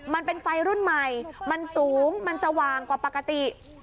มันเป็นไฟรุ่นใหม่มันสูงมันสว่างกว่าปกติ